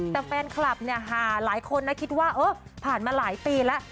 แต่แฟนคลับเนี่ยหาหลายคนนะคิดว่าเออผ่านมาหลายปีแล้ว